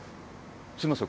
すいません